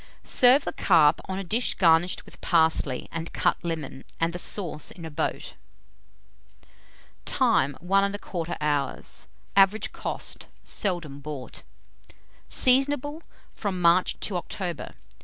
Serve the carp on a dish garnished with parsley and cut lemon, and the sauce in a boat. Time. 1 1/4 hour. Average cost. Seldom bought. Seasonable from March to October.